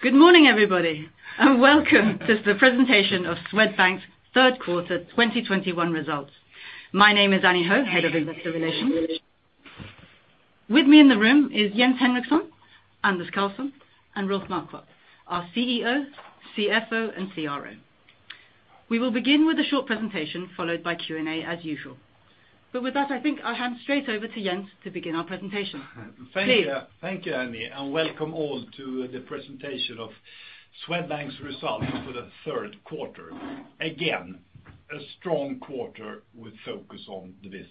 Good morning, everybody, and welcome to the presentation of Swedbank's third quarter 2021 results. My name is Annie Ho, Head of Investor Relations. With me in the room is Jens Henriksson, Anders Karlsson, and Rolf Marquardt, our CEO, CFO, and CRO. We will begin with a short presentation followed by Q&A as usual. With that, I think I'll hand straight over to Jens to begin our presentation. Please. Thank you, Annie, and welcome all to the presentation of Swedbank's results for the third quarter. Again, a strong quarter with focus on the business.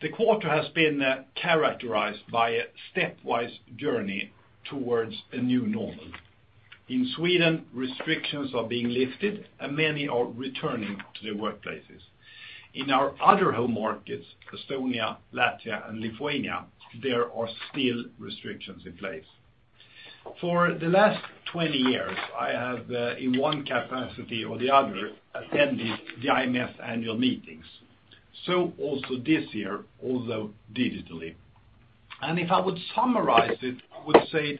The quarter has been characterized by a stepwise journey towards a new normal. In Sweden, restrictions are being lifted and many are returning to their workplaces. In our other home markets, Estonia, Latvia, and Lithuania, there are still restrictions in place. For the last 20 years, I have, in one capacity or the other, attended the IMF annual meetings. Also this year, although digitally. If I would summarize it, I would say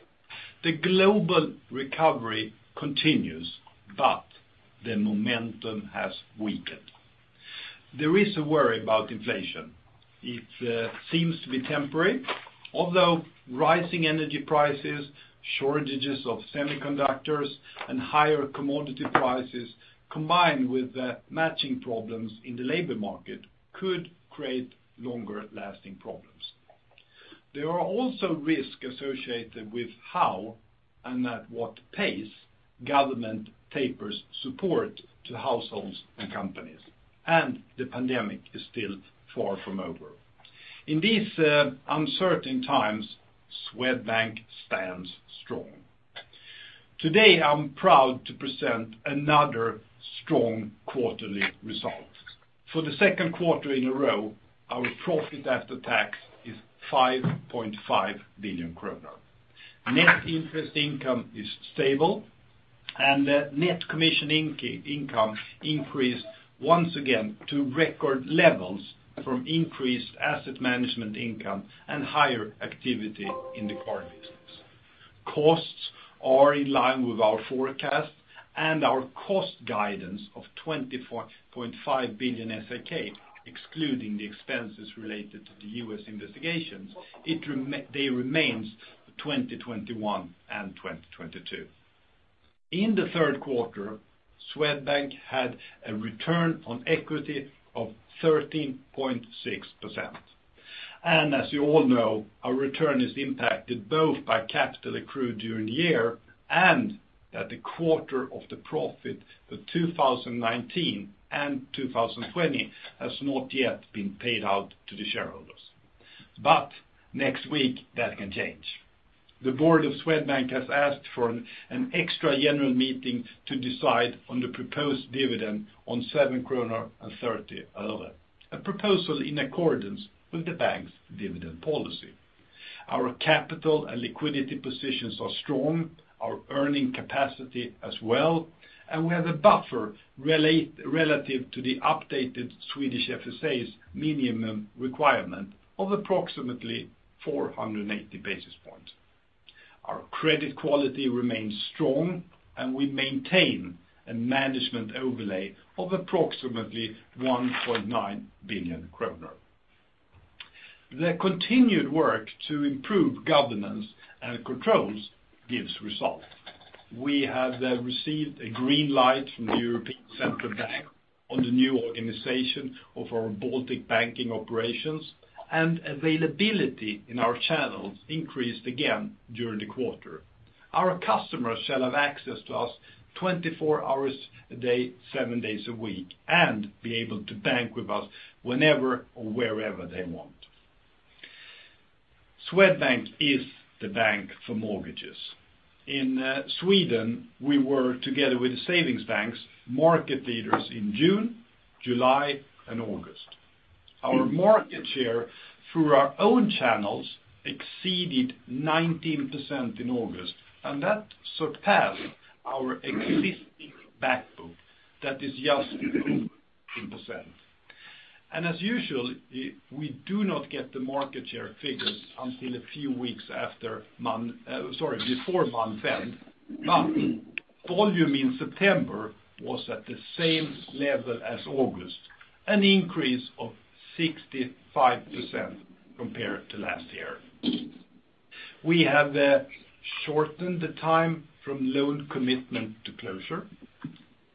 the global recovery continues, but the momentum has weakened. There is a worry about inflation. It seems to be temporary, although rising energy prices, shortages of semiconductors, and higher commodity prices, combined with matching problems in the labor market could create longer-lasting problems. There are also risks associated with how and at what pace government tapers support to households and companies, and the pandemic is still far from over. In these uncertain times, Swedbank stands strong. Today, I'm proud to present another strong quarterly result. For the second quarter in a row, our profit after tax is 5.5 billion kronor. Net interest income is stable and net commission income increased once again to record levels from increased asset management income and higher activity in the core business. Costs are in line with our forecast and our cost guidance of 24.5 billion, excluding the expenses related to the U.S. investigations, they remain for 2021 and 2022. In the third quarter, Swedbank had a Return on Equity of 13.6%. As you all know, our return is impacted both by capital accrued during the year and that the quarter of the profit for 2019 and 2020 has not yet been paid out to the shareholders. Next week, that can change. The board of Swedbank has asked for an extra general meeting to decide on the proposed dividend on SEK 7.30. A proposal in accordance with the bank's dividend policy. Our capital and liquidity positions are strong, our earning capacity as well, and we have a buffer relative to the updated Swedish FSA's minimum requirement of approximately 480 basis points. Our credit quality remains strong, and we maintain a management overlay of approximately 1.9 billion kronor. The continued work to improve governance and controls gives results. We have received a green light from the European Central Bank on the new organization of our Baltic Banking operations, and availability in our channels increased again during the quarter. Our customers shall have access to us 24 hours a day, seven days a week, and be able to bank with us whenever or wherever they want. Swedbank is the bank for mortgages. In Sweden, we were together with the savings banks market leaders in June, July, and August. Our market share through our own channels exceeded 19% in August, and that surpassed our existing back book that is just 12%. As usual, we do not get the market share figures until a few weeks before month end, but volume in September was at the same level as August, an increase of 65% compared to last year. We have shortened the time from loan commitment to closure.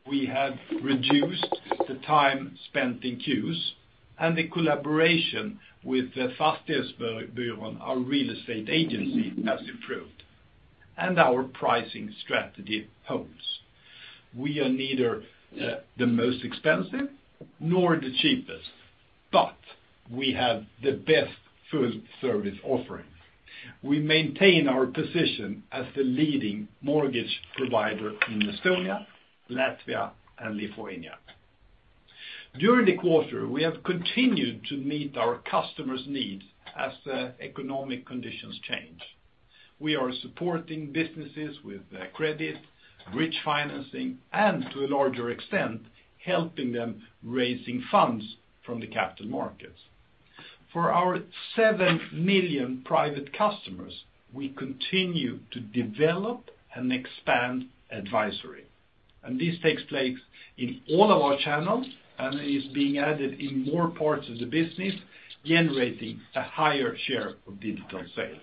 We have reduced the time spent in queues, and the collaboration with the Fastighetsbyrån, our real estate agency, has improved. Our pricing strategy helps. We are neither the most expensive nor the cheapest, but we have the best full-service offering. We maintain our position as the leading mortgage provider in Estonia, Latvia, and Lithuania. During the quarter, we have continued to meet our customers' needs as the economic conditions change. We are supporting businesses with credit, bridge financing, and to a larger extent, helping them raising funds from the capital markets. For our seven million private customers, we continue to develop and expand advisory. This takes place in all of our channels and is being added in more parts of the business, generating a higher share of digital sales.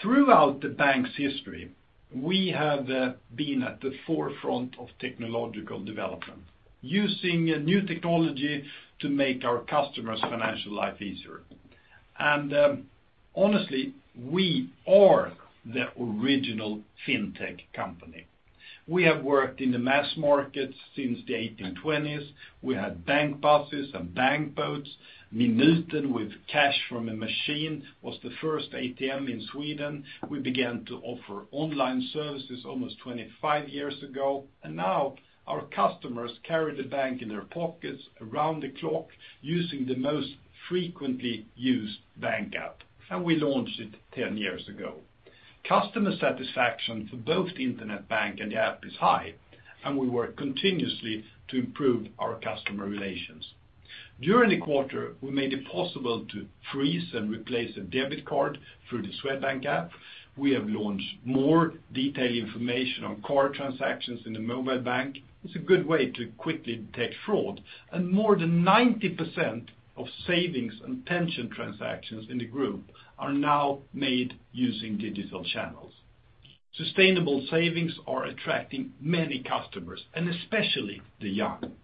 Throughout the bank's history, we have been at the forefront of technological development, using new technology to make our customers' financial life easier. Honestly, we are the original fintech company. We have worked in the mass market since the 1820s. We had bank buses and bank boats. Minuten with cash from a machine was the first ATM in Sweden. We began to offer online services almost 25 years ago. Now our customers carry the bank in their pockets around the clock using the most frequently used bank app, and we launched it 10 years ago. Customer satisfaction for both the internet bank and the app is high, and we work continuously to improve our customer relations. During the quarter, we made it possible to freeze and replace a debit card through the Swedbank app. We have launched more detailed information on card transactions in the mobile bank. It's a good way to quickly detect fraud. More than 90% of savings and pension transactions in the group are now made using digital channels. Sustainable savings are attracting many customers, and especially the young.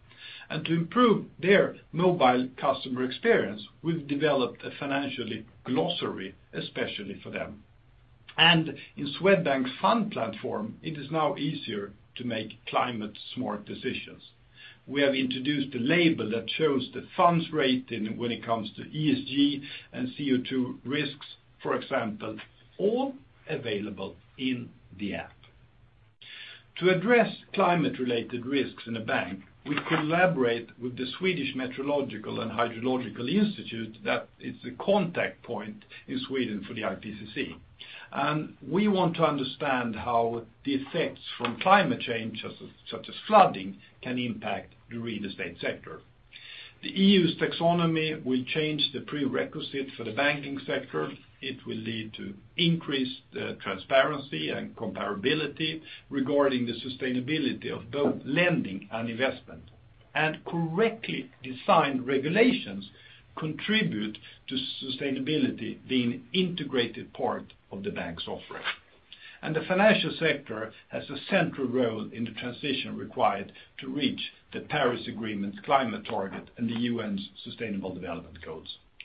To improve their mobile customer experience, we've developed a financially glossary especially for them. In Swedbank's fund platform, it is now easier to make climate-smart decisions. We have introduced a label that shows the fund's rating when it comes to ESG and CO2 risks, for example, all available in the app. To address climate-related risks in a bank, we collaborate with the Swedish Meteorological and Hydrological Institute that is the contact point in Sweden for the IPCC. We want to understand how the effects from climate change such as flooding can impact the real estate sector. The EU's taxonomy will change the prerequisite for the banking sector. It will lead to increased transparency and comparability regarding the sustainability of both lending and investment. Correctly designed regulations contribute to sustainability being integrated part of the bank's offering. The financial sector has a central role in the transition required to reach the Paris Agreement's climate target and the UN's sustainable development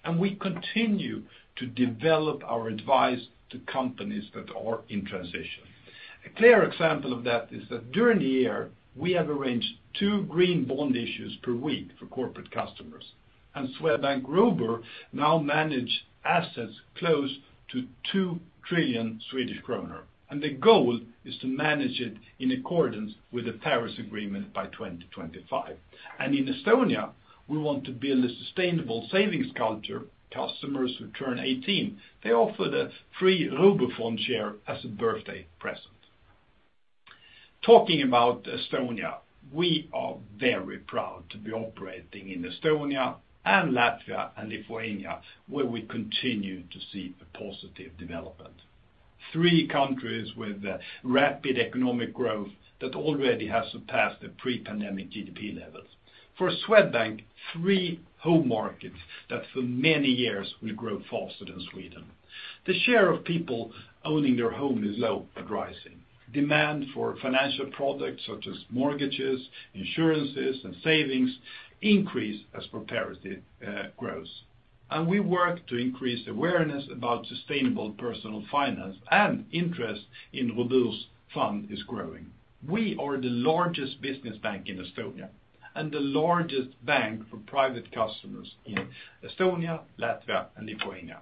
goals. We continue to develop our advice to companies that are in transition. A clear example of that is that during the year, we have arranged two green bond issues per week for corporate customers. Swedbank Robur now manage assets close to 2 trillion Swedish kronor, and the goal is to manage it in accordance with the Paris Agreement by 2025. In Estonia, we want to build a sustainable savings culture. Customers who turn [18 years], they're offered a free Robur fund share as a birthday present. Talking about Estonia, we are very proud to be operating in Estonia and Latvia and Lithuania, where we continue to see a positive development. Three countries with rapid economic growth that already have surpassed the pre-pandemic GDP levels. For Swedbank, three home markets that for many years will grow faster than Sweden. The share of people owning their home is low but rising. Demand for financial products such as mortgages, insurances, and savings increase as prosperity grows. We work to increase awareness about sustainable personal finance, and interest in Robur's fund is growing. We are the largest business bank in Estonia, and the largest bank for private customers in Estonia, Latvia, and Lithuania.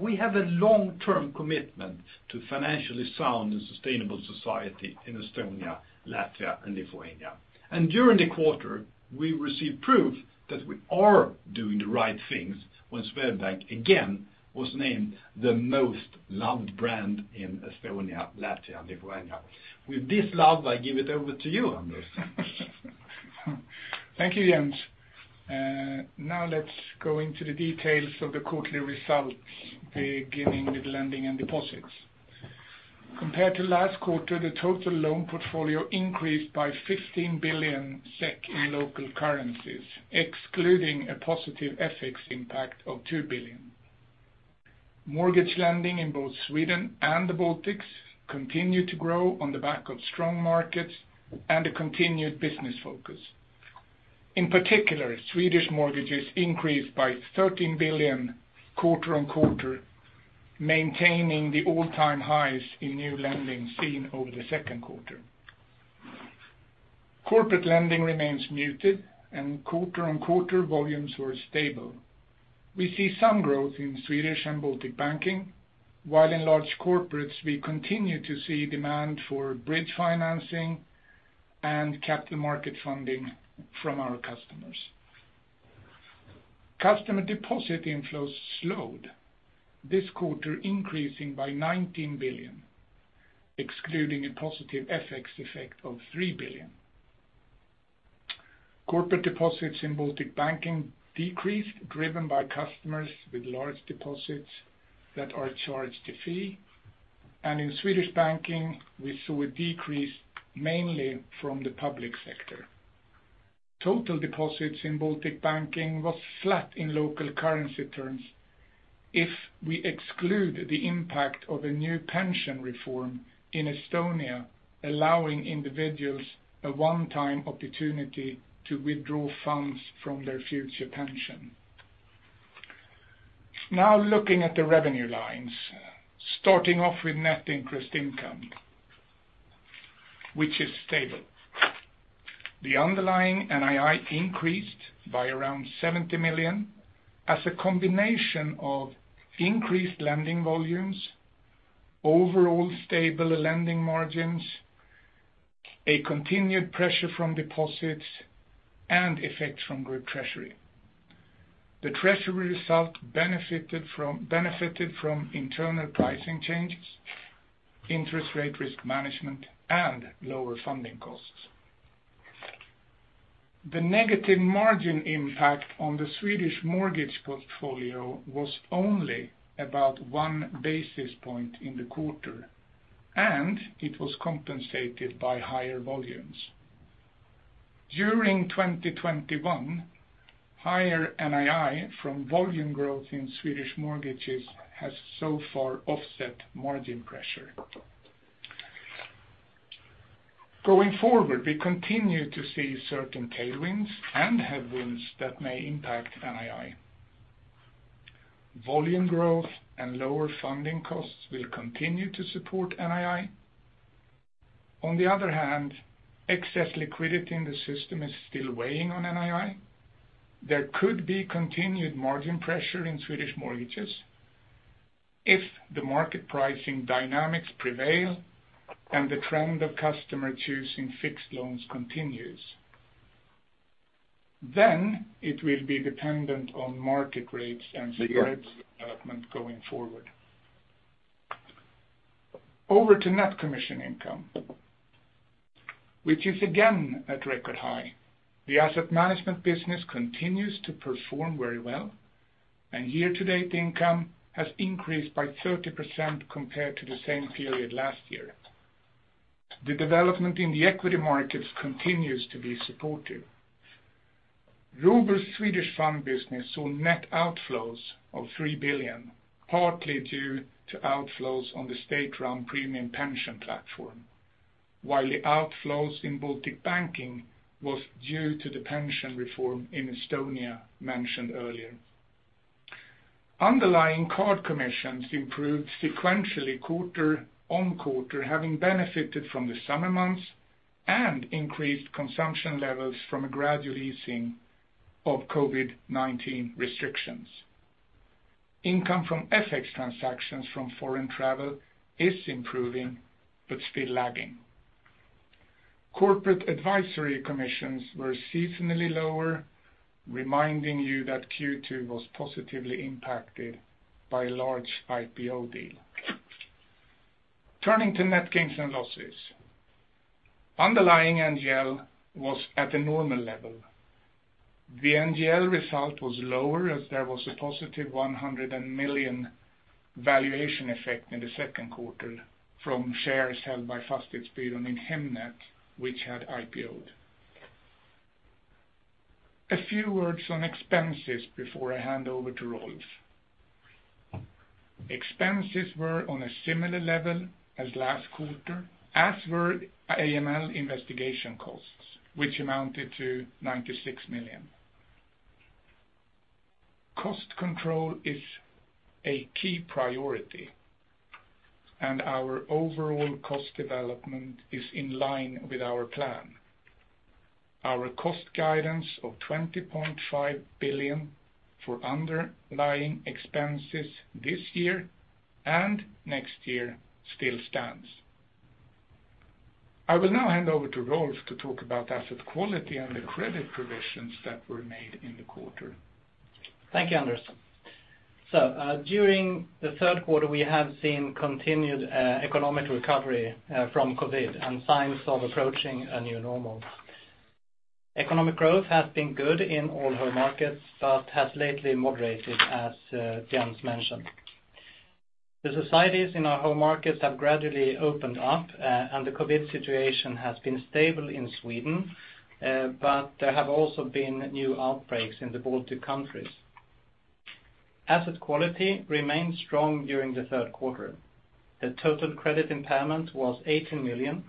We have a long-term commitment to financially sound and sustainable society in Estonia, Latvia, and Lithuania. During the quarter, we received proof that we are doing the right things when Swedbank, again, was named the most loved brand in Estonia, Latvia, and Lithuania. With this love, I give it over to you, Anders. Thank you, Jens. Let's go into the details of the quarterly results, beginning with lending and deposits. Compared to last quarter, the total loan portfolio increased by 15 billion SEK in local currencies, excluding a positive FX impact of 2 billion. Mortgage lending in both Sweden and the Baltics continued to grow on the back of strong markets and a continued business focus. In particular, Swedish mortgages increased by 13 billion quarter-on-quarter, maintaining the all-time highs in new lending seen over the second quarter. Corporate lending remains muted and quarter-on-quarter volumes were stable. We see some growth in Swedish and Baltic Banking, while in Large Corporates we continue to see demand for bridge financing and capital market funding from our customers. Customer deposit inflows slowed this quarter, increasing by 19 billion. Excluding a positive FX effect of 3 billion. Corporate deposits in Baltic Banking decreased, driven by customers with large deposits that are charged a fee. In Swedish Banking, we saw a decrease mainly from the public sector. Total deposits in Baltic Banking was flat in local currency terms if we exclude the impact of a new pension reform in Estonia, allowing individuals a one-time opportunity to withdraw funds from their future pension. Looking at the revenue lines, starting off with net interest income, which is stable. The underlying NII increased by around 70 million as a combination of increased lending volumes, overall stable lending margins, a continued pressure from deposits, and effects from Group Treasury. The treasury result benefited from internal pricing changes, interest rate risk management, and lower funding costs. The negative margin impact on the Swedish mortgage portfolio was only about 1 basis point in the quarter, and it was compensated by higher volumes. During 2021, higher NII from volume growth in Swedish mortgages has so far offset margin pressure. Going forward, we continue to see certain tailwinds and headwinds that may impact NII. Volume growth and lower funding costs will continue to support NII. On the other hand, excess liquidity in the system is still weighing on NII. There could be continued margin pressure in Swedish mortgages if the market pricing dynamics prevail and the trend of customer choosing fixed loans continues. It will be dependent on market rates and development going forward. Over to net commission income, which is again at record high. The asset management business continues to perform very well, and year-to-date income has increased by 30% compared to the same period last year. The development in the equity markets continues to be supportive. Robur saw net outflows of 3 billion, partly due to outflows on the state-run premium pension platform. The outflows in Baltic Banking was due to the pension reform in Estonia mentioned earlier. Underlying card commissions improved sequentially quarter on quarter, having benefited from the summer months and increased consumption levels from a gradual easing of COVID-19 restrictions. Income from FX transactions from foreign travel is improving but still lagging. Corporate advisory commissions were seasonally lower, reminding you that Q2 was positively impacted by a large IPO deal. Turning to net gains and losses. Underlying NGL was at a normal level. The NGL result was lower as there was a positive 100 million valuation effect in the second quarter from shares held by Fastighetsbyrån in Hemnet, which had IPO'd. A few words on expenses before I hand over to Rolf. Expenses were on a similar level as last quarter, as were AML investigation costs, which amounted to 96 million. Cost control is a key priority. Our overall cost development is in line with our plan. Our cost guidance of 20.5 billion for underlying expenses this year and next year still stands. I will now hand over to Rolf to talk about asset quality and the credit provisions that were made in the quarter. Thank you, Anders. During the third quarter, we have seen continued economic recovery from COVID and signs of approaching a new normal. Economic growth has been good in all home markets, but has lately moderated, as Jens mentioned. The societies in our home markets have gradually opened up, and the COVID situation has been stable in Sweden, but there have also been new outbreaks in the Baltic countries. Asset quality remained strong during the third quarter. The total credit impairment was 18 million,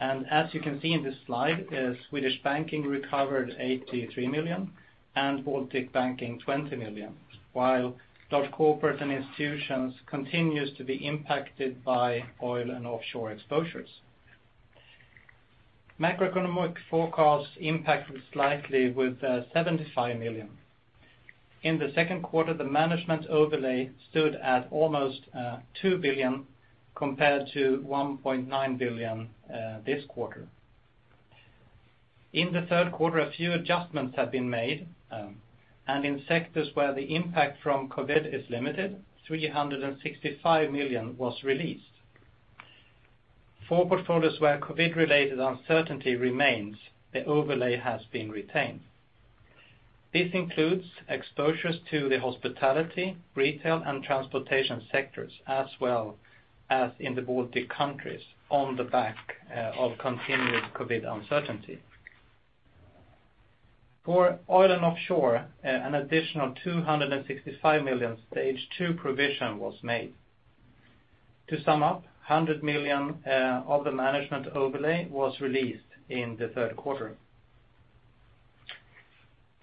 and as you can see in this slide, Swedish Banking recovered 83 million and Baltic Banking 20 million, while Large Corporates & Institutions continues to be impacted by oil and offshore exposures. Macroeconomic forecasts impacted slightly with 75 million. In the second quarter, the management overlay stood at almost 2 billion compared to 1.9 billion this quarter. In the third quarter, a few adjustments have been made, and in sectors where the impact from COVID is limited, 365 million was released. For portfolios where COVID-related uncertainty remains, the overlay has been retained. This includes exposures to the hospitality, retail, and transportation sectors as well as in the Baltic countries on the back of continued COVID uncertainty. For oil and offshore, an additional 265 million Stage 2 provision was made. To sum up, 100 million of the management overlay was released in the third quarter.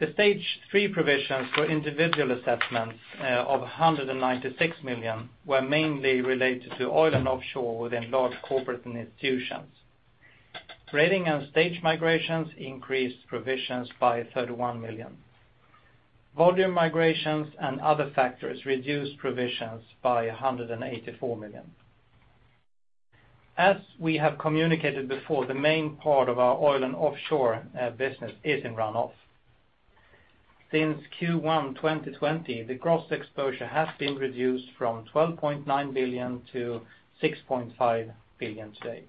The Stage 3 provisions for individual assessments of 196 million were mainly related to oil and offshore within Large Corporates & Institutions. Trading and stage migrations increased provisions by 31 million. Volume migrations and other factors reduced provisions by 184 million. As we have communicated before, the main part of our oil and offshore business is in run-off. Since Q1 2020, the gross exposure has been reduced from 12.9 billion to 6.5 billion today.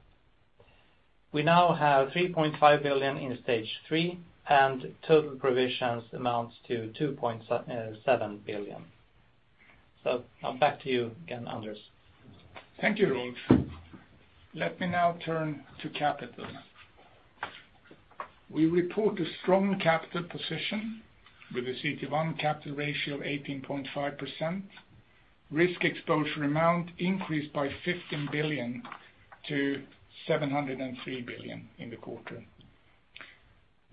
We now have 3.5 billion in Stage 3, and total provisions amount to 2.7 billion. Now back to you again, Anders. Thank you, Rolf. Let me now turn to capital. We report a strong capital position with a CET1 capital ratio of 18.5%. Risk exposure amount increased by 15 billion to 703 billion in the quarter.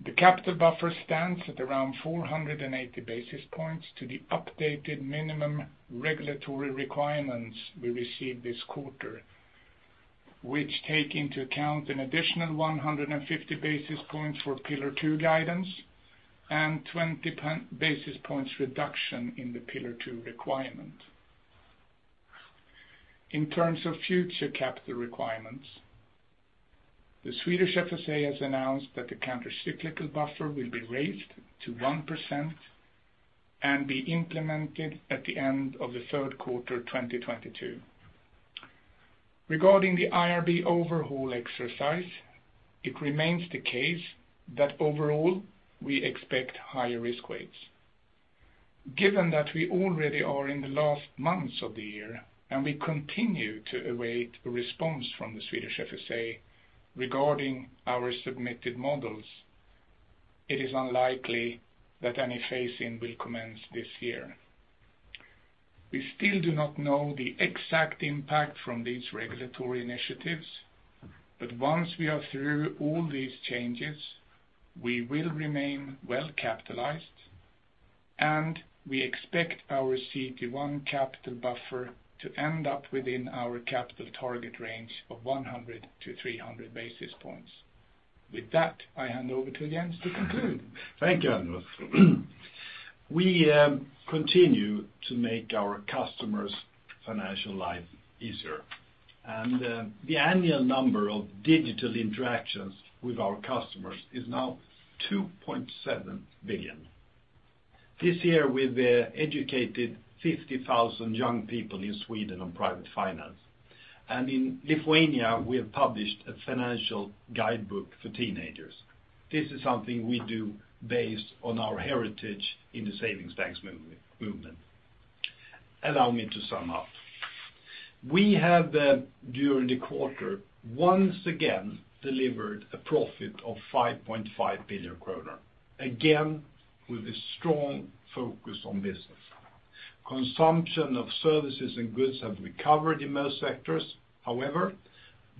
The capital buffer stands at around 480 basis points to the updated minimum regulatory requirements we received this quarter, which take into account an additional 150 basis points for Pillar 2 guidance and 20 basis points reduction in the Pillar 2 requirement. In terms of future capital requirements, the Swedish FSA has announced that the countercyclical buffer will be raised to 1% and be implemented at the end of the third quarter 2022. Regarding the IRB overhaul exercise, it remains the case that overall we expect higher risk weights. Given that we already are in the last months of the year and we continue to await a response from the Swedish FSA regarding our submitted models, it is unlikely that any phase-in will commence this year. We still do not know the exact impact from these regulatory initiatives, but once we are through all these changes, we will remain well capitalized and we expect our CET1 capital buffer to end up within our capital target range of [100 basis points-300 basis points]. With that, I hand over to Jens to conclude. Thank you, Anders. We continue to make our customers' financial life easier, and the annual number of digital interactions with our customers is now 2.7 billion. This year, we've educated 50,000 young people in Sweden on private finance, and in Lithuania, we have published a financial guidebook for teenagers. This is something we do based on our heritage in the savings banks movement. Allow me to sum up. We have, during the quarter, once again delivered a profit of 5.5 billion kronor, again with a strong focus on business. Consumption of services and goods have recovered in most sectors. However,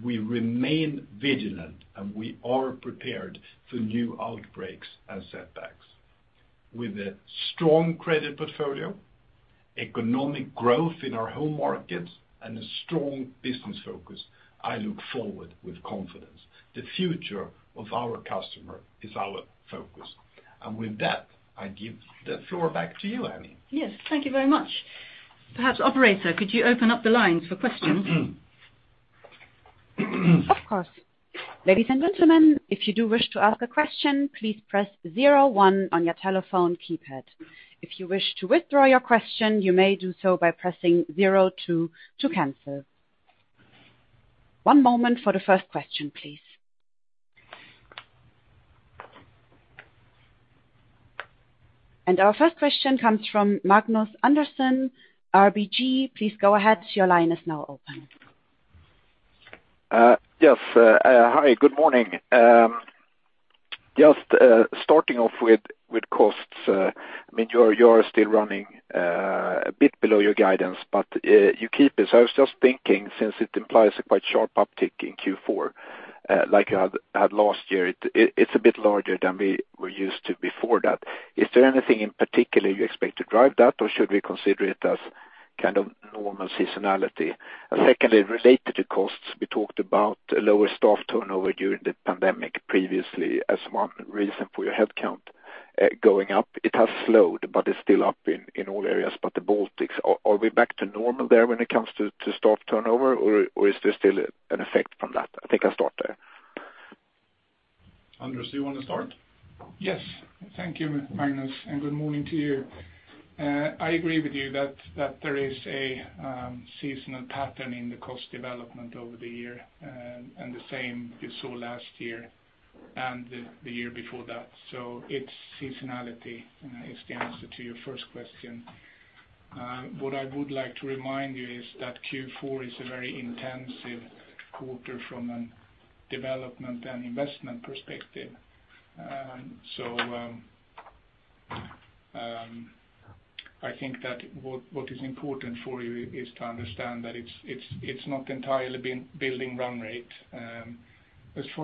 we remain vigilant and we are prepared for new outbreaks and setbacks. With a strong credit portfolio, economic growth in our home markets, and a strong business focus, I look forward with confidence. The future of our customer is our focus. With that, I give the floor back to you, Annie. Yes, thank you very much. Perhaps operator, could you open up the lines for questions? Of course. Ladies and gentlemen, if you do wish to ask a question, please press zero one on your telephone keypad. If you wish to withdraw your question, you may do so by pressing zero two to cancel. One moment for the first question, please. And our first question comes from Magnus Andersson, [ABG]. Please go ahead. Your line is now open. Yes. Hi, good morning. Just starting off with costs, you are still running a bit below your guidance, but you keep it. I was just thinking since it implies a quite sharp uptick in Q4 like you had last year, it's a bit larger than we were used to before that. Is there anything in particular you expect to drive that, or should we consider it as normal seasonality? Secondly, related to costs, we talked about lower staff turnover during the pandemic previously as one reason for your headcount going up. It has slowed, but it's still up in all areas but the Baltics. Are we back to normal there when it comes to staff turnover, or is there still an effect from that? I think I'll start there. Anders, do you want to start? Yes. Thank you, Magnus, and good morning to you. I agree with you that there is a seasonal pattern in the cost development over the year, and the same you saw last year and the year before that. It's seasonality is the answer to your first question. What I would like to remind you is that Q4 is a very intensive quarter from a development and investment perspective. I think that what is important for you is to understand that it's not entirely been building run rate. When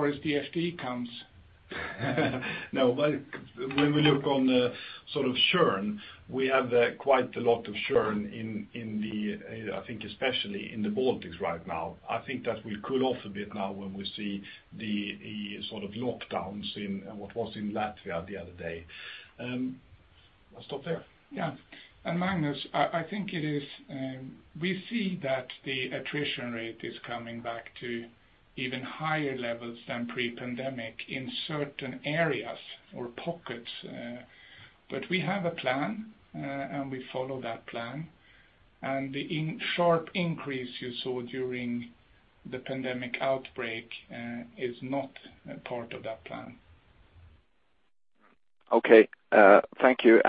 we look on the sort of churn, we have quite a lot of churn in the, I think especially in the Baltics right now. I think that will cool off a bit now when we see the lockdowns in what was in Latvia the other day. I'll stop there. Yeah. Magnus, I think we see that the attrition rate is coming back to even higher levels than pre-pandemic in certain areas or pockets. We have a plan, and we follow that plan. The sharp increase you saw during the pandemic outbreak is not part of that plan. Okay. Thank you.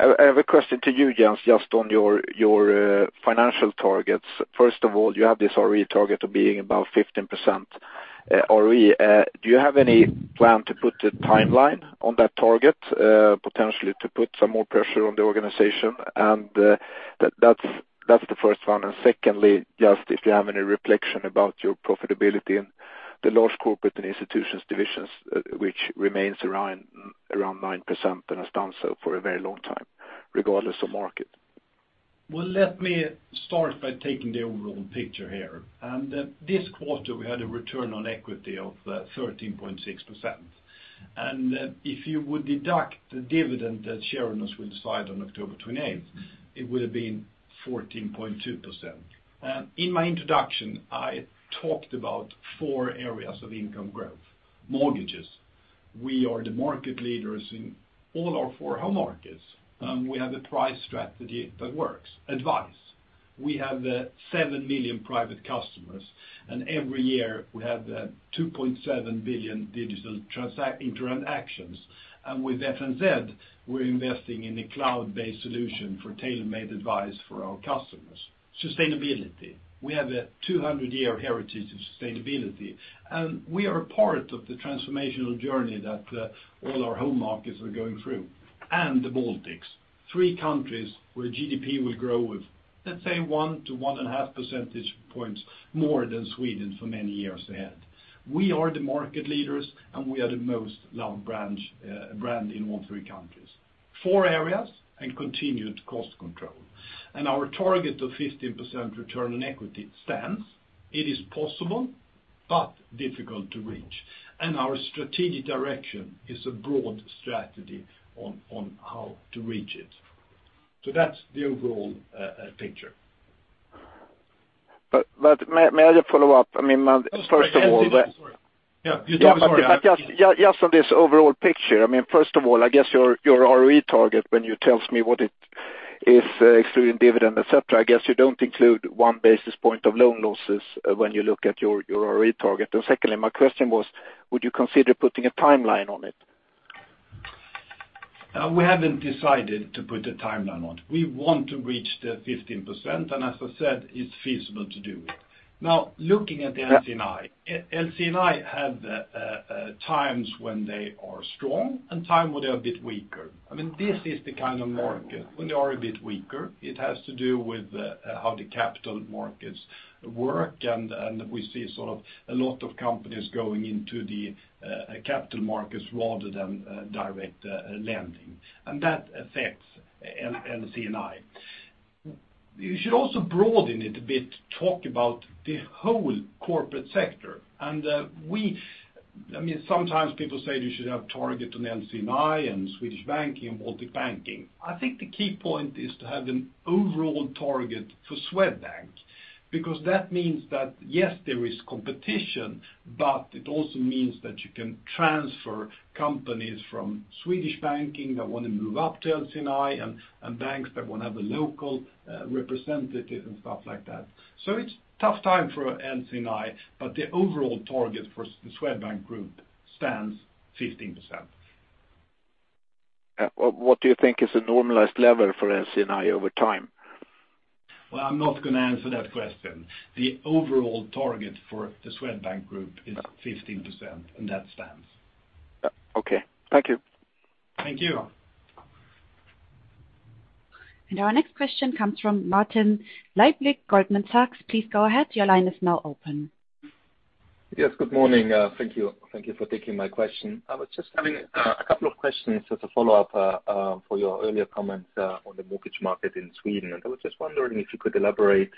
I have a question to you, Jens, just on your financial targets. First of all, you have this ROE target of being above 15% ROE. Do you have any plan to put a timeline on that target, potentially to put some more pressure on the organization? That's the first one. Secondly, just if you have any reflection about your profitability in the Large Corporates & Institutions divisions, which remains around 9% and has done so for a very long time, regardless of market. Well, let me start by taking the overall picture here. This quarter, we had a Return on Equity of 13.6%. If you would deduct the dividend that shareholders will decide on October 28th, it would have been 14.2%. In my introduction, I talked about four areas of income growth. Mortgages, we are the market leaders in all our four home markets, and we have a price strategy that works. Advice, we have seven million private customers, and every year we have 2.7 billion digital transactions. With FNZ, we're investing in a cloud-based solution for tailor-made advice for our customers. Sustainability, we have a 200-year heritage of sustainability, and we are a part of the transformational journey that all our home markets are going through. The Baltics, three countries where GDP will grow with, let's say, [1 percentage point-1.5 percentage points] more than Sweden for many years ahead. We are the market leaders, and we are the most loved brand in all three countries. Four areas and continued cost control. Our target of 15% Return on Equity stands. It is possible, but difficult to reach. Our strategic direction is a broad strategy on how to reach it. That's the overall picture. May I just follow up? I mean, first of all. Sorry. Yeah. Just on this overall picture, I mean, first of all, I guess your ROE target, when you tell me what it is excluding dividend, et cetera, I guess you don't include 1 basis point of loan losses when you look at your ROE target. Secondly, my question was, would you consider putting a timeline on it? We haven't decided to put a timeline on it. We want to reach the 15%, and as I said, it's feasible to do it. Now, looking at the [LC&I]. [LC&I] have times when they are strong and time when they're a bit weaker. I mean, this is the kind of market when they are a bit weaker. It has to do with how the capital markets work, and we see a lot of companies going into the capital markets rather than direct lending. That affects [LC&I]. You should also broaden it a bit to talk about the whole corporate sector. Sometimes people say you should have target on [LC&I] and Swedish Banking and Baltic Banking. I think the key point is to have an overall target for Swedbank, because that means that, yes, there is competition, but it also means that you can transfer companies from Swedish Banking that want to move up to [LC&I] and banks that want to have a local representative and stuff like that. It's tough time for [LC&I], but the overall target for the Swedbank group stands 15%. What do you think is a normalized level for [LC&I] over time? Well, I'm not going to answer that question. The overall target for the Swedbank group is 15%, and that stands. Okay. Thank you. Thank you. Our next question comes from Martin Leitgeb, Goldman Sachs. Please go ahead. Your line is now open. Yes. Good morning. Thank you for taking my question. I was just having a couple of questions as a follow-up for your earlier comments on the mortgage market in Sweden. I was just wondering if you could elaborate.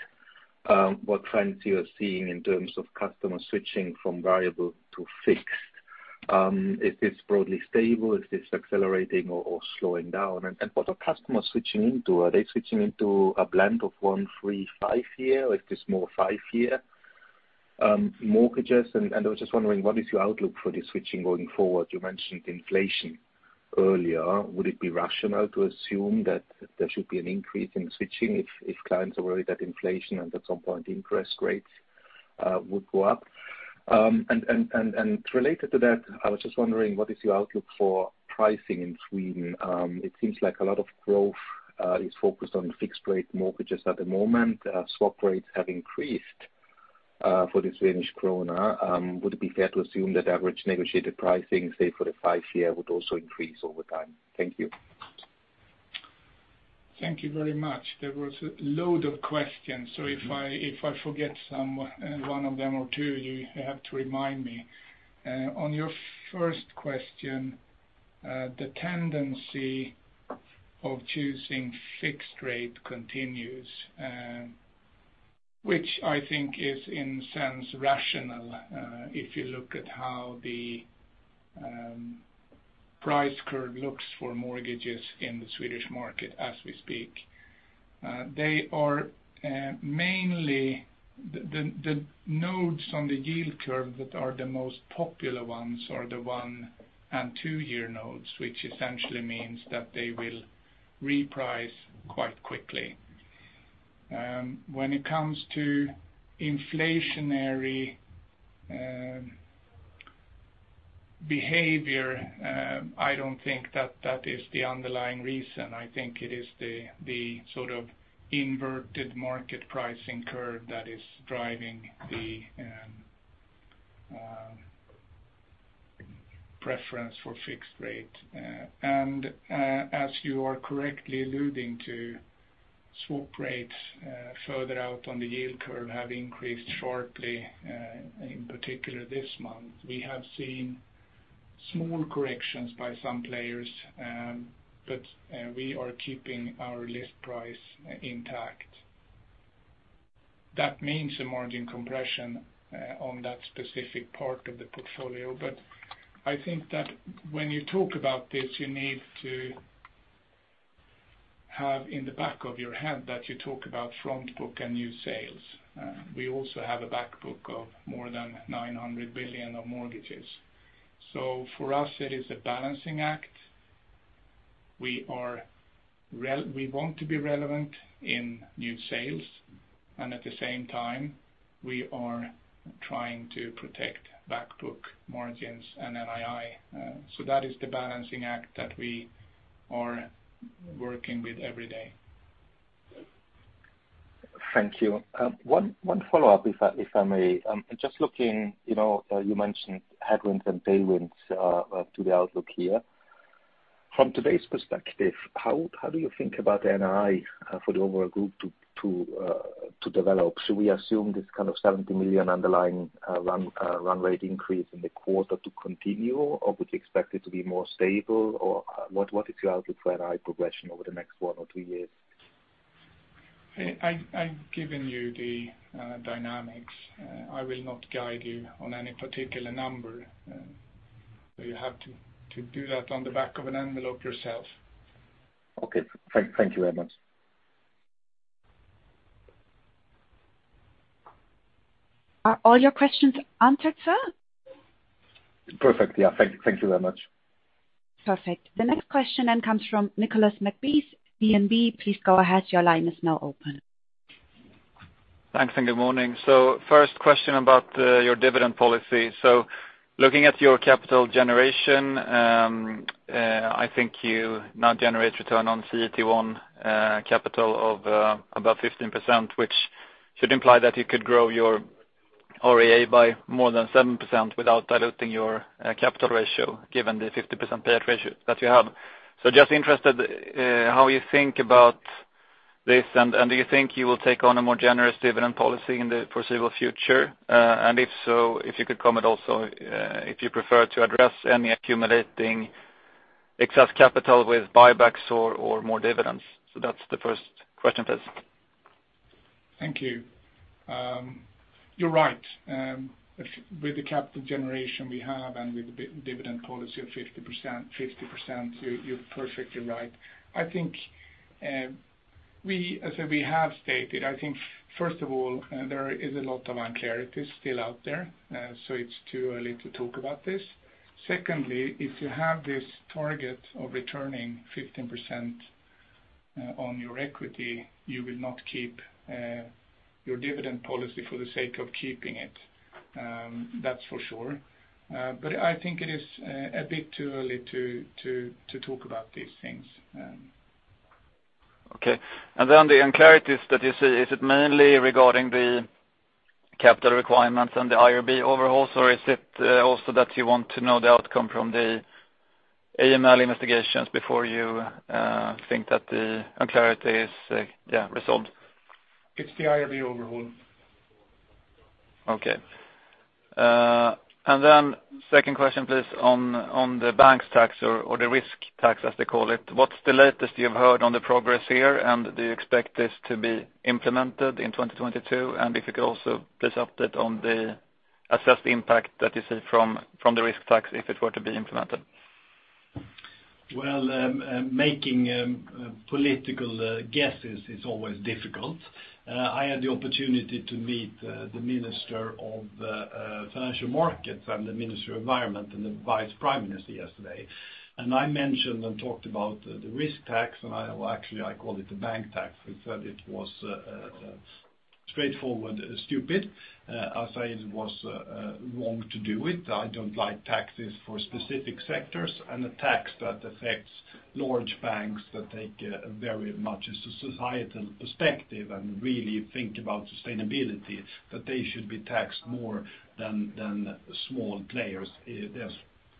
What trends you are seeing in terms of customers switching from variable to fixed? Is this broadly stable? Is this accelerating or slowing down? What are customers switching into? Are they switching into a blend of one year, three year, five year, or is this more five-year mortgages? I was just wondering, what is your outlook for the switching going forward? You mentioned inflation earlier. Would it be rational to assume that there should be an increase in switching if clients are worried that inflation and at some point interest rates would go up? Related to that, I was just wondering, what is your outlook for pricing in Sweden? It seems like a lot of growth is focused on fixed rate mortgages at the moment. Swap rates have increased, for the Swedish krona. Would it be fair to assume that average negotiated pricing, say for the five-year, would also increase over time? Thank you. Thank you very much. There was a load of questions, so if I forget one of them or two, you have to remind me. On your first question, the tendency of choosing fixed rate continues, which I think is in sense rational if you look at how the price curve looks for mortgages in the Swedish market as we speak. Mainly, the nodes on the yield curve that are the most popular ones are the one- and two-year nodes, which essentially means that they will reprice quite quickly. When it comes to inflationary behavior, I don't think that is the underlying reason. I think it is the inverted market pricing curve that is driving the preference for fixed rate. as you are correctly alluding to swap rates further out on the yield curve have increased sharply, in particular this month. We have seen small corrections by some players, but we are keeping our list price intact. That means a margin compression on that specific part of the portfolio. I think that when you talk about this, you need to have in the back of your head that you talk about front book and new sales. We also have a back book of more than 900 billion of mortgages. For us, it is a balancing act. We want to be relevant in new sales, and at the same time, we are trying to protect back book margins and NII. That is the balancing act that we are working with every day. Thank you. One follow-up, if I may. Just looking, you mentioned headwinds and tailwinds to the outlook here. From today's perspective, how do you think about the NII for the overall group to develop? Should we assume this kind of 70 million underlying run rate increase in the quarter to continue, or would you expect it to be more stable? What is your outlook for NII progression over the next one or two years? I've given you the dynamics. I will not guide you on any particular number. you have to do that on the back of an envelope yourself. Okay. Thank you very much. Are all your questions answered, sir? Perfect. Yeah. Thank you very much. Perfect. The next question then comes from Nicolas McBeath, DNB. Please go ahead. Your line is now open. Thanks, and good morning. First question about your dividend policy. Looking at your capital generation, I think you now generate return on CET1 capital of about 15%, which should imply that you could grow your REA by more than 7% without diluting your capital ratio, given the 50% payout ratio that you have. Just interested how you think about this, and do you think you will take on a more generous dividend policy in the foreseeable future? If so, if you could comment also if you prefer to address any accumulating excess capital with buybacks or more dividends. That's the first question, please. Thank you. You're right. With the capital generation we have and with the dividend policy of 50%, you're perfectly right. As we have stated, I think first of all, there is a lot of uncertainties still out there, so it's too early to talk about this. Secondly, if you have this target of returning 15% on your equity, you will not keep your dividend policy for the sake of keeping it. That's for sure. I think it is a bit too early to talk about these things. Okay. The uncertainties that you see, is it mainly regarding the capital requirements and the IRB overhauls, or is it also that you want to know the outcome from the AML investigations before you think that the unclarity is resolved? It's the IRB overhaul Okay. second question, please, on the banks tax or the risk tax, as they call it. What's the latest you've heard on the progress here? do you expect this to be implemented in 2022? if you could also please update on the assessed impact that you see from the risk tax if it were to be implemented. Well, making political guesses is always difficult. I had the opportunity to meet the Minister of Financial Markets and the Minister of Environment and the Vice Prime Minister yesterday, and I mentioned and talked about the risk tax. well, actually I called it the bank tax. We said it was straightforward stupid. I said it was wrong to do it. I don't like taxes for specific sectors and a tax that affects large banks that take very much a societal perspective and really think about sustainability, that they should be taxed more than small players is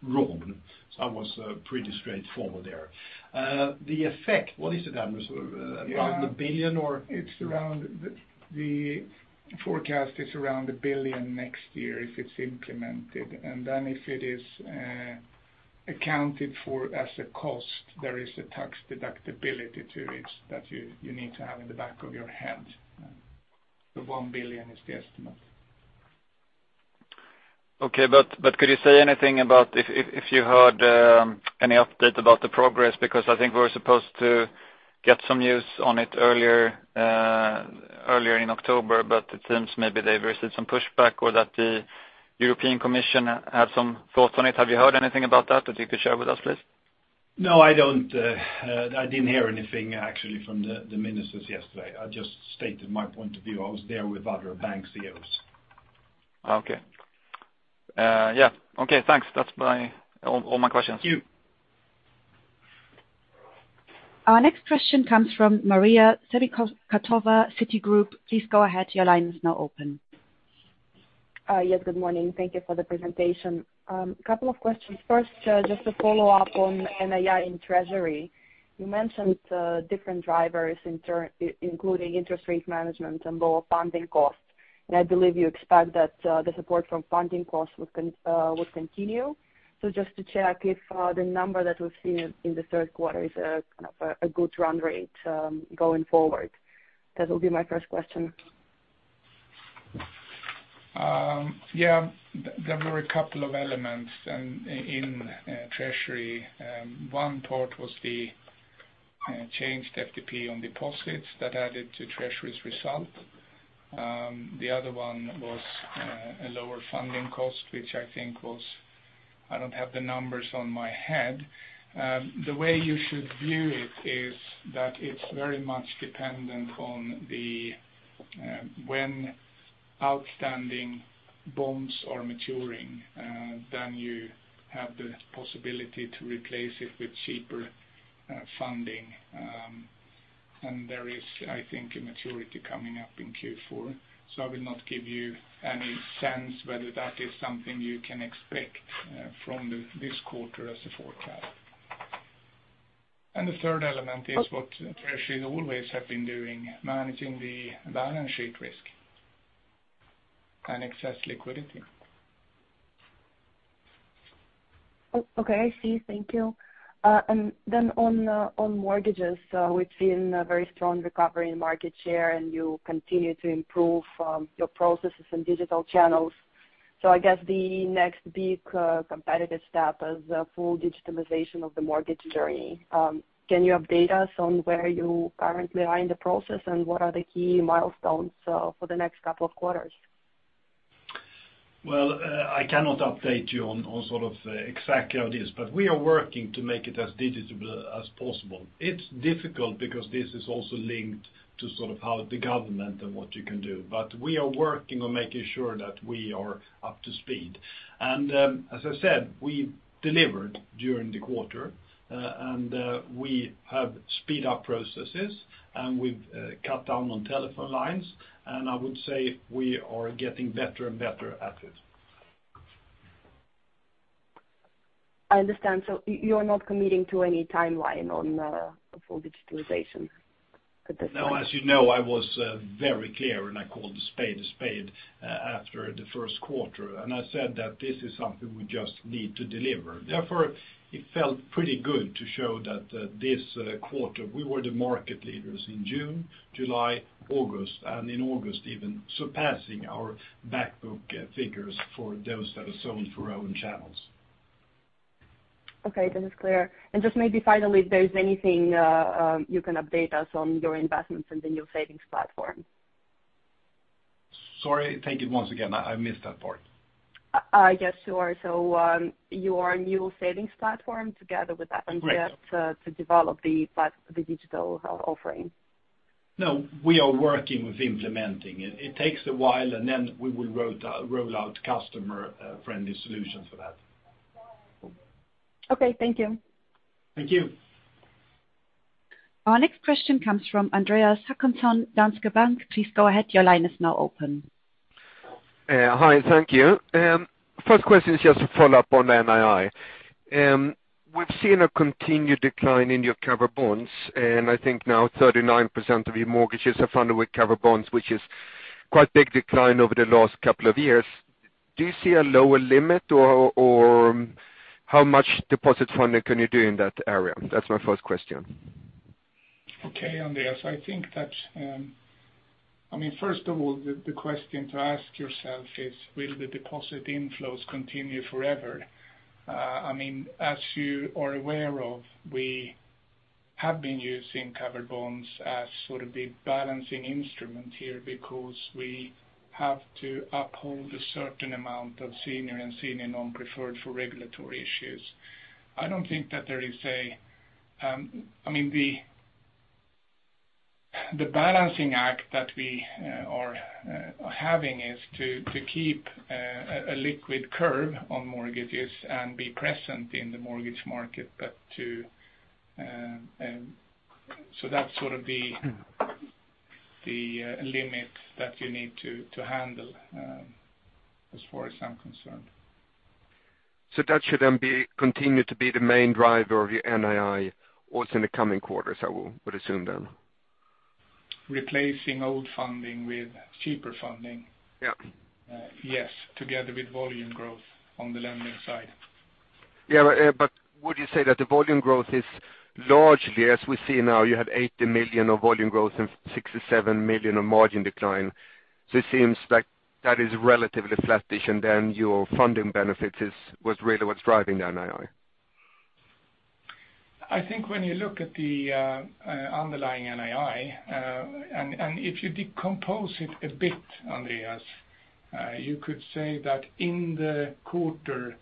wrong. I was pretty straightforward there. The effect, what is it, Anders? Around 1 billion or. It's around the forecast is around 1 billion next year if it's implemented, and then if it is accounted for as a cost, there is a tax deductibility to it that you need to have in the back of your hand. The 1 billion is the estimate. Okay. Could you say anything about if you heard any update about the progress? Because I think we were supposed to get some news on it earlier in October, but it seems maybe they've received some pushback or that the European Commission had some thoughts on it. Have you heard anything about that you could share with us, please? No, I didn't hear anything actually from the ministers yesterday. I just stated my point of view. I was there with other bank CEOs. Okay. Yeah. Okay, thanks. That's all my questions. Thank you. Our next question comes from Mariia Semikhatova, Citigroup. Please go ahead. Your line is now open. Yes, good morning. Thank you for the presentation. Couple of questions. First, just a follow-up on NII in Treasury. You mentioned different drivers including interest rate management and lower funding costs. I believe you expect that the support from funding costs will continue. Just to check if the number that we've seen in the third quarter is kind of a good run rate going forward. That will be my first question. Yeah. There were a couple of elements in Treasury. One part was the changed FTP on deposits that added to Treasury's result. The other one was a lower funding cost, which I think I don't have the numbers on my head. The way you should view it is that it's very much dependent on when outstanding bonds are maturing, then you have the possibility to replace it with cheaper funding. There is, I think, a maturity coming up in Q4. I will not give you any sense whether that is something you can expect from this quarter as a forecast. The third element is what Treasury always have been doing, managing the balance sheet risk and excess liquidity. Okay, I see. Thank you. On mortgages, we've seen a very strong recovery in market share, and you continue to improve your processes and digital channels. I guess the next big competitive step is the full digitalization of the mortgage journey. Can you update us on where you currently are in the process and what are the key milestones for the next couple of quarters? Well, I cannot update you on exactly how it is, but we are working to make it as digital as possible. It's difficult because this is also linked to how the government and what you can do. We are working on making sure that we are up to speed. As I said, we delivered during the quarter, and we have speed up processes, and we've cut down on telephone lines, and I would say we are getting better and better at it. I understand. You're not committing to any timeline on the full digitalization at this point? No. As you know, I was very clear and I called a spade a spade after the first quarter, and I said that this is something we just need to deliver. Therefore, it felt pretty good to show that this quarter we were the market leaders in June, July, August, and in August even surpassing our back book figures for those that are sold through our own channels. Okay. That is clear. Just maybe finally, if there's anything you can update us on your investments in the new savings platform. Sorry. Thank you once again. I missed that part. Yes, sure. your new savings platform together with. Great [FNZ] to develop the digital offering. No, we are working with implementing it. It takes a while, and then we will roll out customer-friendly solutions for that. Okay, thank you. Thank you. Our next question comes from Andreas Håkansson, Danske Bank. Please go ahead. Your line is now open. Hi, thank you. First question is just a follow-up on NII. We've seen a continued decline in your covered bonds, and I think now 39% of your mortgages are funded with covered bonds, which is quite a big decline over the last couple of years. Do you see a lower limit, or how much deposit funding can you do in that area? That's my first question. Okay, Andreas. First of all, the question to ask yourself is will the deposit inflows continue forever? As you are aware of, we have been using covered bonds as the balancing instrument here because we have to uphold a certain amount of senior and senior non-preferred for regulatory issues. The balancing act that we are having is to keep a liquid curve on mortgages and be present in the mortgage market. That's sort of the limit that you need to handle, as far as I'm concerned. That should then continue to be the main driver of your NII also in the coming quarters, I would assume then. Replacing old funding with cheaper funding? Yeah. Yes, together with volume growth on the lending side. Yeah. Would you say that the volume growth is largely, as we see now, you have 80 million of volume growth and 67 million of margin decline. It seems like that is relatively flat-ish, and then your funding benefits was really what's driving the NII. I think when you look at the underlying NII, and if you decompose it a bit, Andreas, you could say that in the quarter,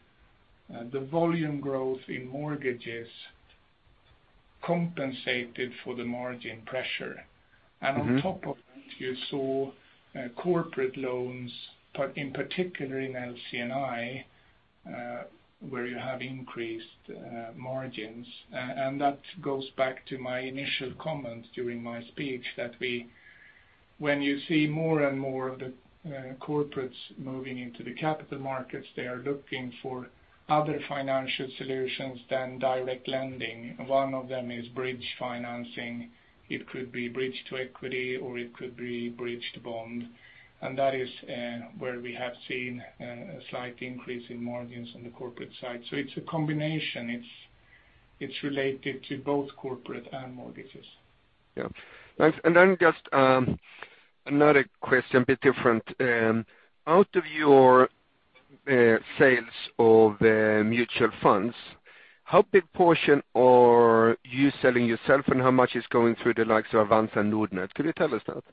the volume growth in mortgages compensated for the margin pressure. On top of it, you saw corporate loans, in particular in [LC&I], where you have increased margins. That goes back to my initial comment during my speech that when you see more and more of the corporates moving into the capital markets, they are looking for other financial solutions than direct lending. One of them is bridge financing. It could be bridge to equity, or it could be bridge to bond. That is where we have seen a slight increase in margins on the corporate side. It's a combination. It's related to both corporate and mortgages. Yeah. Just another question, a bit different. Out of your sales of mutual funds, how big portion are you selling yourself, and how much is going through the likes of Avanza and Nordnet? Could you tell us that?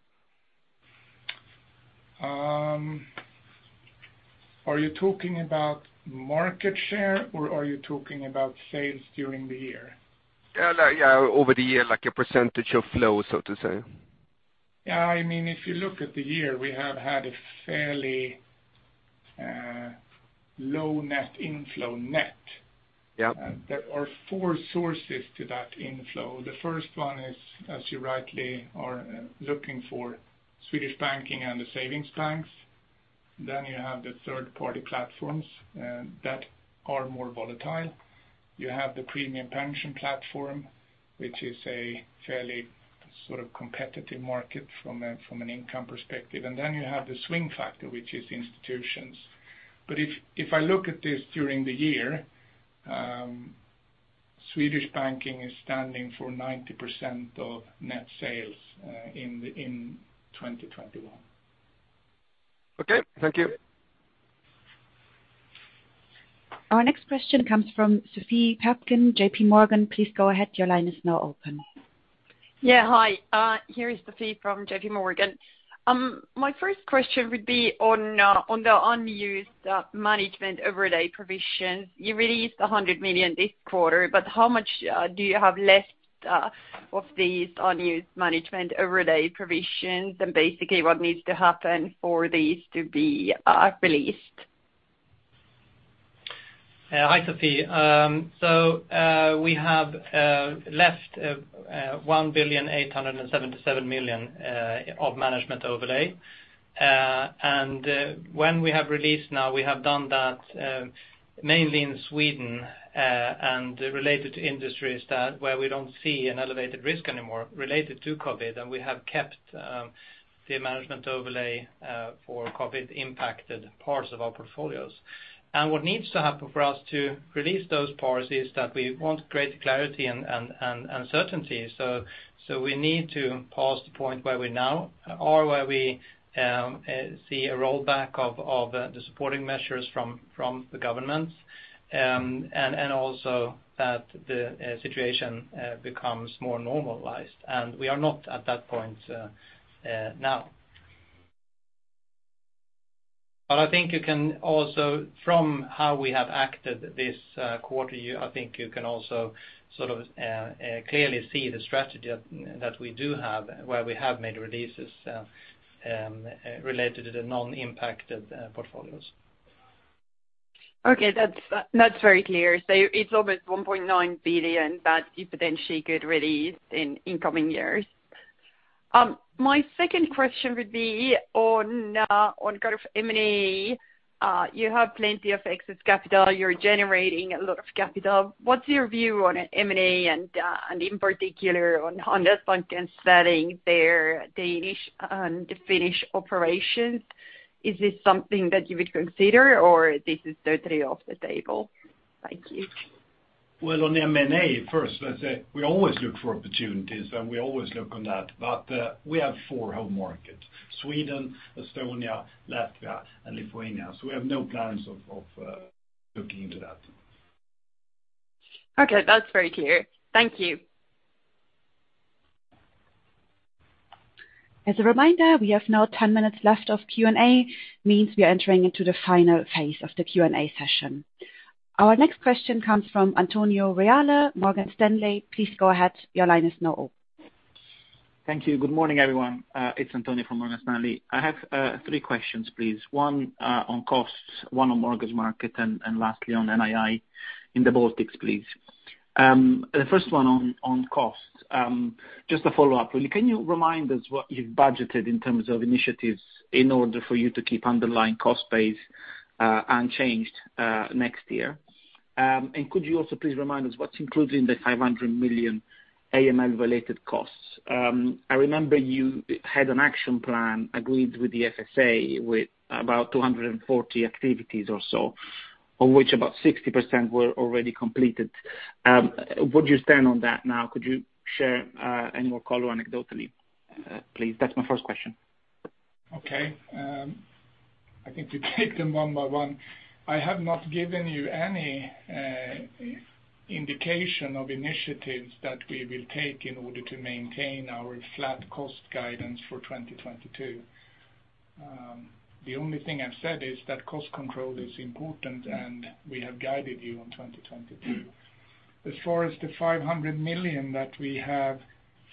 Are you talking about market share, or are you talking about sales during the year? Over the year, like a percentage of flow, so to say. If you look at the year, we have had a fairly low net inflow. Yep. There are four sources to that inflow. The first one is, as you rightly are looking for Swedish Banking and the savings banks, then you have the third-party platforms that are more volatile. You have the premium pension platform, which is a fairly competitive market from an income perspective. You have the swing factor, which is institutions. If I look at this during the year, Swedish Banking is standing for 90% of net sales in 2021. Okay. Thank you. Our next question comes from [Sophie Hopkin], JP Morgan. Please go ahead. Your line is now open. Yeah. Hi. Here is Sophie from JP Morgan. My first question would be on the unused management overlay provisions. You released 100 million this quarter, but how much do you have left of these unused management overlay provisions? Basically, what needs to happen for these to be released? Hi, Sophie. We have left 1,877,000,000 of management overlay. When we have released now, we have done that mainly in Sweden, and related to industries where we don't see an elevated risk anymore related to COVID, and we have kept the management overlay for COVID-impacted parts of our portfolios. What needs to happen for us to release those parts is that we want greater clarity and certainty. We need to pass the point where we now are, where we see a rollback of the supporting measures from the governments, and also that the situation becomes more normalized. We are not at that point now. From how we have acted this quarter year, I think you can also clearly see the strategy that we do have, where we have made releases related to the non-impacted portfolios. Okay. That's very clear. It's almost 1.9 billion that you potentially could release in coming years? My second question would be on kind of M&A. You have plenty of excess capital. You're generating a lot of capital. What's your view on M&A and in particular on Nordea selling their Danish and the Finnish operations? Is this something that you would consider or this is totally off the table? Thank you. Well, on M&A, first, let's say we always look for opportunities, and we always look on that. We have four home markets, Sweden, Estonia, Latvia, and Lithuania. We have no plans of looking into that. Okay. That's very clear. Thank you. As a reminder, we have now 10 minutes left of Q&A, means we are entering into the final phase of the Q&A session. Our next question comes from Antonio Reale, Morgan Stanley. Please go ahead. Your line is now open. Thank you. Good morning, everyone. It's Antonio from Morgan Stanley. I have three questions, please. One on costs, one on mortgage market, and lastly on NII in the Baltics, please. The first one on costs. Just a follow-up, really. Can you remind us what you've budgeted in terms of initiatives in order for you to keep underlying cost base unchanged next year? Could you also please remind us what's included in the 500 million AML related costs? I remember you had an action plan agreed with the FSA with about 240 activities or so, of which about 60% were already completed. Where do you stand on that now? Could you share any more color anecdotally, please? That's my first question. Okay. I think to take them one by one, I have not given you any indication of initiatives that we will take in order to maintain our flat cost guidance for 2022. The only thing I've said is that cost control is important, and we have guided you on 2022. As far as the 500 million that we have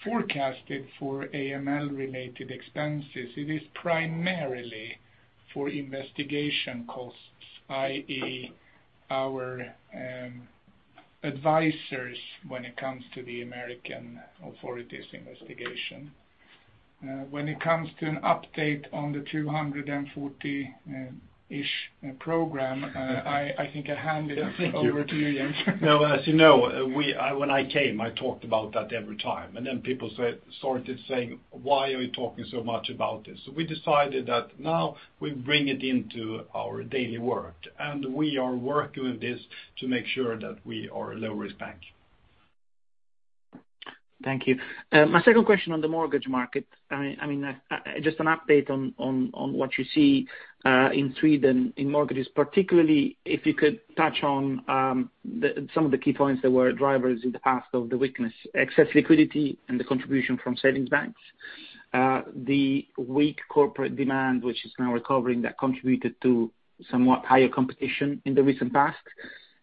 forecasted for AML-related expenses, it is primarily for investigation costs, i.e., our advisors when it comes to the American authorities investigation. When it comes to an update on the 240-ish program, I think I hand it over to you, Jens. No, as you know, when I came, I talked about that every time. People started saying, "Why are you talking so much about this?" So we decided that now we bring it into our daily work, and we are working with this to make sure that we are a low-risk bank. Thank you. My second question on the mortgage market. Just an update on what you see in Sweden in mortgages, particularly if you could touch on some of the key points that were drivers in the past of the weakness, excess liquidity and the contribution from savings banks. The weak corporate demand, which is now recovering, that contributed to somewhat higher competition in the recent past.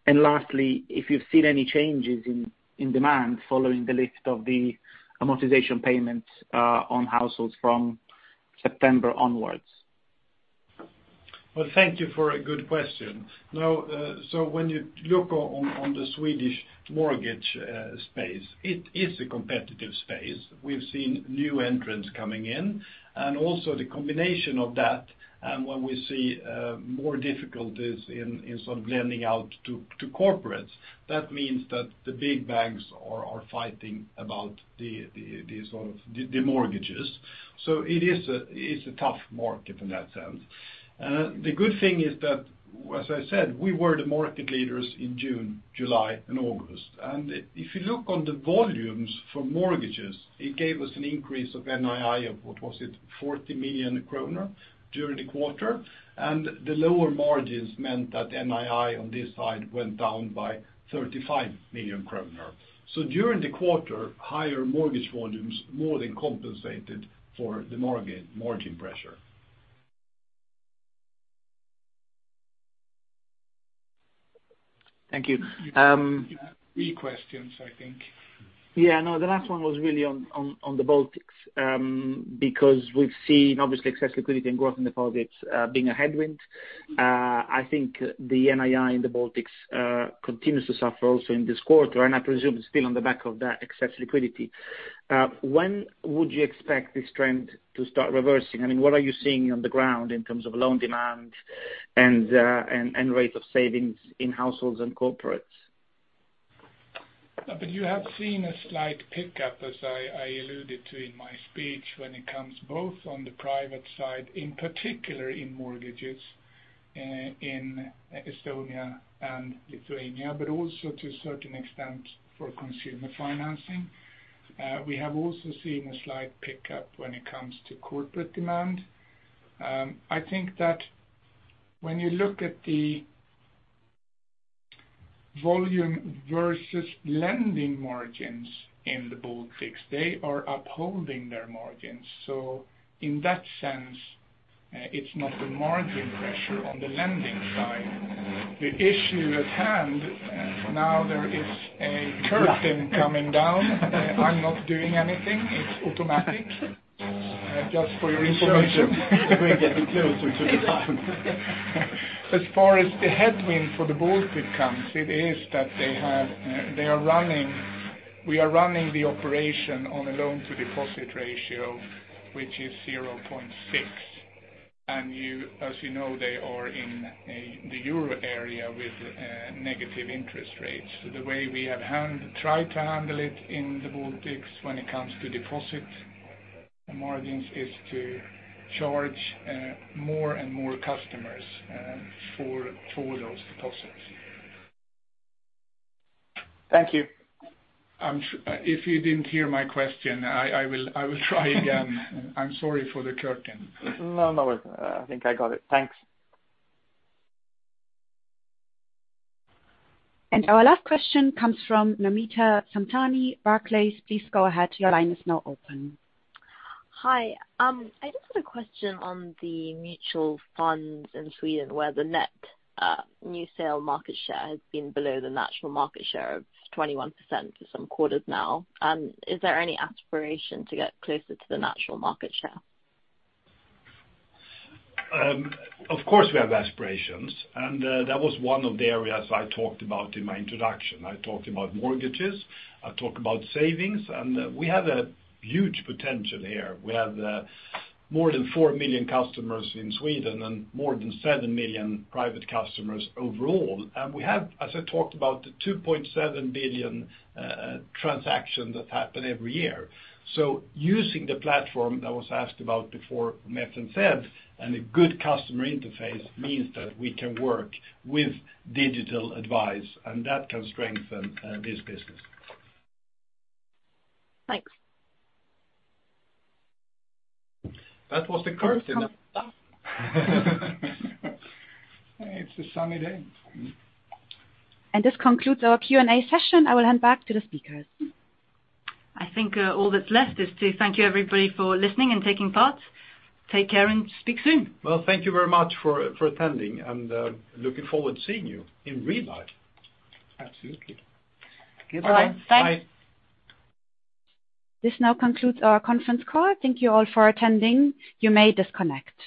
lastly, if you've seen any changes in demand following the lift of the amortization payment on households from September onwards. Well, thank you for a good question. When you look on the Swedish mortgage space, it is a competitive space. We've seen new entrants coming in, and also the combination of that and when we see more difficulties in lending out to corporates, that means that the big banks are fighting about the mortgages. It's a tough market in that sense. The good thing is that, as I said, we were the market leaders in June, July, and August. If you look on the volumes for mortgages, it gave us an increase of NII of, what was it, 40 million kronor during the quarter. The lower margins meant that NII on this side went down by 35 million kronor. During the quarter, higher mortgage volumes more than compensated for the margin pressure. Thank you. You have three questions, I think. Yeah, no, the last one was really on the Baltics, because we've seen, obviously, excess liquidity and growth in the Baltics being a headwind. I think the NII in the Baltics continues to suffer also in this quarter, and I presume it's still on the back of that excess liquidity. When would you expect this trend to start reversing? What are you seeing on the ground in terms of loan demand and rate of savings in households and corporates? You have seen a slight pickup, as I alluded to in my speech, when it comes both on the private side, in particular in mortgages in Estonia and Lithuania, but also to a certain extent for consumer financing. We have also seen a slight pickup when it comes to corporate demand. I think that when you look at the volume versus lending margins in the Baltics, they are upholding their margins. in that sense, it's not the margin pressure on the lending side. The issue at hand now there is a curtain coming down. I'm not doing anything. It's automatic. Just for your information we're getting closer to the time. As far as the headwind for the Baltic comes, it is that we are running the operation on a loan-to-deposit ratio, which is 0.6. As you know, they are in the Euro area with negative interest rates. The way we have tried to handle it in the Baltics when it comes to deposit margins is to charge more and more customers for those deposits. Thank you. If you didn't hear my question, I will try again. I'm sorry for the curtain. No worries. I think I got it. Thanks. Our last question comes from Namita Samtani, Barclays. Please go ahead, your line is now open. Hi. I just had a question on the mutual funds in Sweden where the net new sale market share has been below the natural market share of 21% for some quarters now. Is there any aspiration to get closer to the natural market share? Of course, we have aspirations, and that was one of the areas I talked about in my introduction. I talked about mortgages, I talked about savings, and we have a huge potential here. We have more than four million customers in Sweden and more than seven million private customers overall. We have, as I talked about, the 2.7 billion transactions that happen every year. Using the platform that was asked about before, [METS and SED], and a good customer interface means that we can work with digital advice, and that can strengthen this business. Thanks. That was the curtain. It's a sunny day. This concludes our Q&A session. I will hand back to the speakers. I think all that's left is to thank you everybody for listening and taking part. Take care and speak soon. Well, thank you very much for attending, and looking forward to seeing you in real life. Absolutely. Goodbye. Thanks. Bye. This now concludes our conference call. Thank you all for attending. You may disconnect.